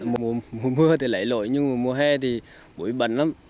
mùa mưa thì lấy lỗi nhưng mùa hè thì buổi bận lắm